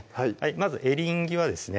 まずエリンギはですね